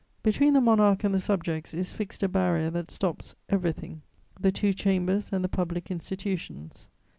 Between the monarch and the subjects is fixed a barrier that stops everything: the two Chambers and the public institutions.